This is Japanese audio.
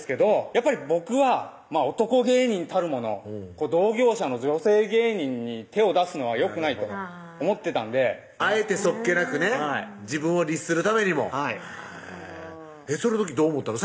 やっぱり僕は男芸人たるもの同業者の女性芸人に手を出すのはよくないと思ってたんであえてそっけなくね自分を律するためにもはいその時どう思ったの？